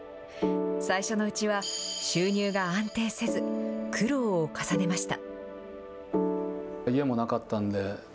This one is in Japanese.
最初のうちは収入が安定せず、苦労を重ねました。